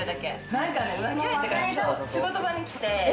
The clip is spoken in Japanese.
何か浮気相手が仕事場に来て。